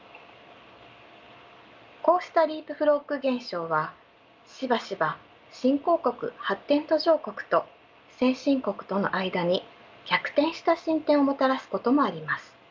こうしたリープフロッグ現象はしばしば新興国・発展途上国と先進国との間に逆転した進展をもたらすこともあります。